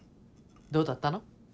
どうだったの？